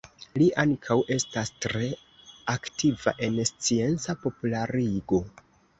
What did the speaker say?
Li ankaŭ estas tre aktiva en scienca popularigo.